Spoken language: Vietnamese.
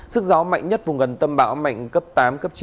sức gió mạnh nhất vùng gần tâm bão mạnh cấp tám cấp chín